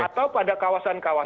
atau pada kawasan kawasan